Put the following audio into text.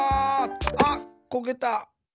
あっこけた。